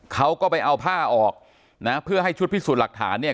เขาก็ไปเอาผ้าออกนะเพื่อให้ชุดพิสูจน์หลักฐานเนี่ย